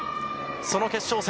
その決勝戦